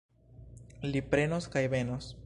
Li prenos kaj benos.